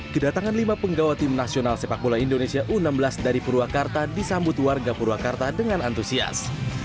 kedatangan lima penggawa tim nasional sepak bola indonesia u enam belas dari purwakarta disambut warga purwakarta dengan antusias